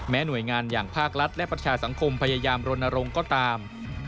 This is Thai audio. หน่วยงานอย่างภาครัฐและประชาสังคมพยายามรณรงค์ก็ตาม